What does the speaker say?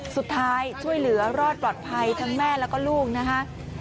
สุดท้ายช่วยเหลือรอดปลอดภัยทั้งแม่แล้วก็ลูกนะคะ